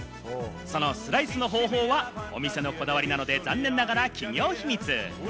そのスライスの方法はお店のこだわりなので、残念ながら企業秘密。